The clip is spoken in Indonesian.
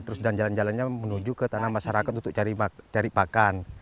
terus dan jalan jalannya menuju ke tanah masyarakat untuk cari pakan